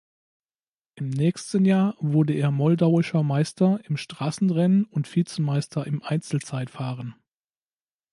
Im nächsten Jahr wurde er moldauischer Meister im Straßenrennen und Vizemeister im Einzelzeitfahren.